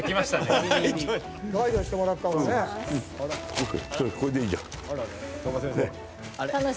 ＯＫ。